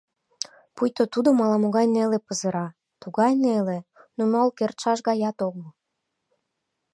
Пуйто тудым ала-могай неле пызыра, тугай неле, нумал кертшаш гаят огыл.